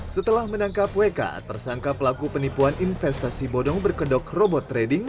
setelah menangkap wk tersangka pelaku penipuan investasi bodong berkedok robot trading